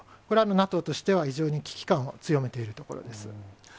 これはＮＡＴＯとしては、非常に危機感を強めているところです。